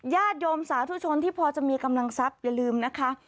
ญาติโยมสาธุชนที่พอจะมีกำลังทรัพย์อย่าลืมนะคะ